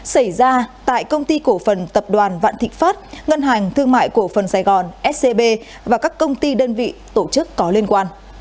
xảy ra tại công ty cổ phần tập đoàn vạn thịnh pháp ngân hàng thương mại cổ phần sài gòn scb và các công ty đơn vị tổ chức có liên quan